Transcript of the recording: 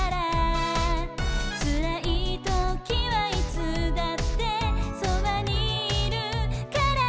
「つらいときはいつだってそばにいるから」